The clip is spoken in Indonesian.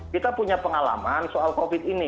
kita punya pengalaman soal covid ini